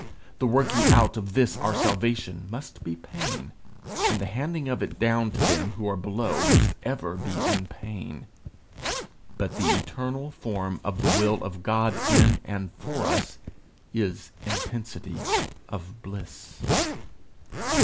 The working out of this our salvation must be pain, and the handing of it down to them that are below must ever be in pain; but the eternal form of the will of God in and for us, is intensity of bliss.